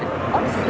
oh di situ